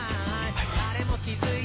はい。